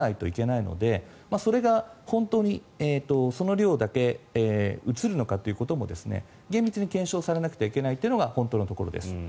尿から薬物が出てくるということは相当量、飲まないといけないのでそれが本当にその量だけ移るのかということも厳密に検証されなくてはいけないというのが本当のところです。